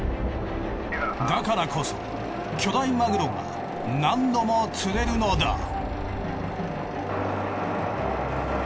だからこそ巨大マグロが何度も釣れるのだ。